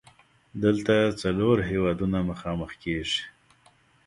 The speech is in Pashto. دلته څلور هیوادونه مخامخ کیږي.